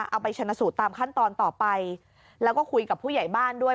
เอาไปชนะสูตรตามขั้นตอนต่อไปแล้วก็คุยกับผู้ใหญ่บ้านด้วย